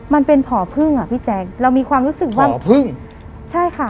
มันเป็นผ่อพึ่งอ่ะพี่แจ๊คเรามีความรู้สึกว่าผ่อพึ่งใช่ค่ะ